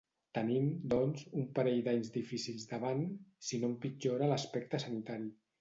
Tenim, doncs, un parell d’anys difícils davant… si no empitjora l’aspecte sanitari.